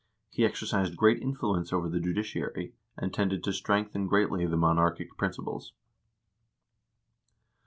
He exercised great influence over the judiciary, and tended to strengthen greatly the monarchic principles.